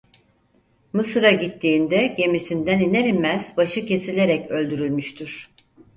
Mısır'a gittiğinde gemisinden iner inmez başı kesilerek öldürülmüştür.